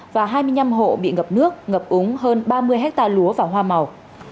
và hai mươi năm hộ bị ngập nước ngập úng hơn ba mươi hectare lúa và hoa màu